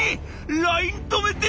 ライン止めて！」。